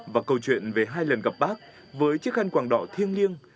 và câu chuyện về hai lần gặp bác với chiếc khăn quàng đỏ thiêng liêng